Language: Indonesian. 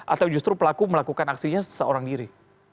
atau justru pelaku melakukan aksinya seorang diri